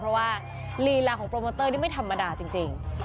เพราะว่าลีลาของโปรโมเตอร์นี่ไม่ธรรมดาจริง